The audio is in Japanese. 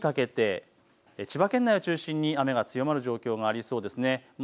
そして昼にかけて千葉県内を中心に雨が強まる状況がありそうです。